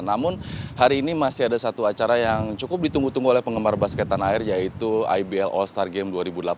namun hari ini masih ada satu acara yang cukup ditunggu tunggu oleh penggemar basket tanah air yaitu ibl all star game dua ribu delapan belas